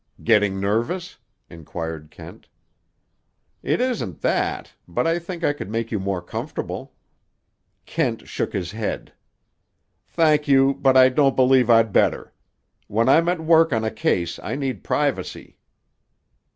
"Getting nervous?" inquired Kent. "It isn't that; but I think I could make you more comfortable." Kent shook his head. "Thank you; but I don't believe I'd better. When I'm at work on a case I need privacy."